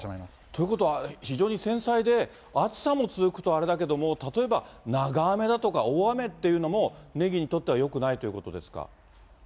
ということは、非常に繊細で、暑さも続くとあれだけども、例えば長雨だとか、大雨っていうのも、ねぎにとってはよくないってことですか？